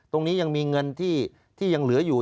ตรงนี้ยังมีเงินที่ยังเหลืออยู่